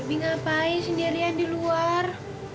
bi ngapain sendirian di luar